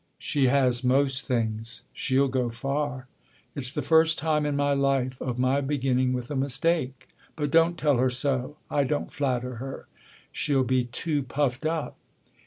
"She has most things. She'll go far. It's the first time in my life of my beginning with a mistake. But don't tell her so. I don't flatter her. She'll be too puffed up."